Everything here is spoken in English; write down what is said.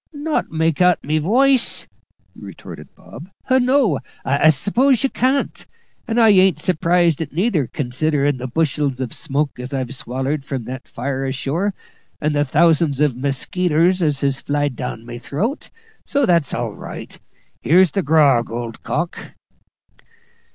"Not make out my woice!" retorted Bob. "No, I s'pose you can't. And I ain't surprised at it neither, considerin' the bushels of smoke as I've swallered from that fire ashore, and the thousands of muskeeters as has flied down my throat; so that's all right. Here's the grog, old cock."